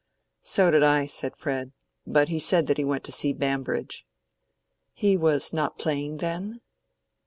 "So did I," said Fred. "But he said that he went to see Bambridge." "He was not playing, then?"